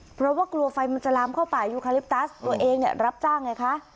เพราะว่ากลัวไฟมันจะลามเข้าป่ายูคาลิปตัสตัวเองเนี่ยรับจ้างไงคะ